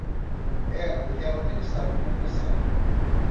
Ela e Heather estavam conversando.